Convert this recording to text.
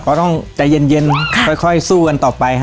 ก็ต้องใจเย็นค่อยสู้กันต่อไป